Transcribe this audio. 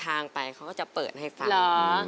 ร้องไปกับสายน้ำง